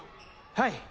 はい。